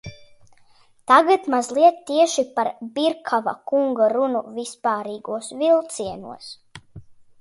Tagad mazliet tieši par Birkava kunga runu vispārīgos vilcienos.